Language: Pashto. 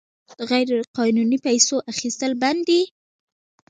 د غیرقانوني پیسو اخیستل بند دي؟